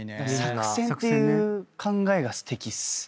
作戦っていう考えがすてきっす。